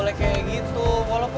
saya akan menerima tanganmu